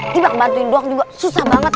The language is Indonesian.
coba ngebantuin doang juga susah banget